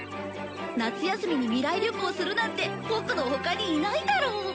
夏休みに未来旅行するなんてボクの他にいないだろう。